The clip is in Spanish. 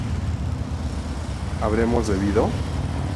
habremos bebido